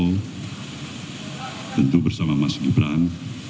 dan tentu bersama mas gibraltar